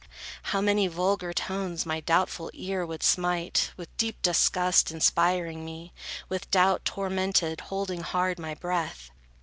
How many vulgar tones my doubtful ear Would smite, with deep disgust inspiring me, With doubt tormented, holding hard my breath!